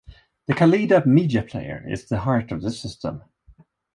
The Kaleida Media Player is the heart of the system.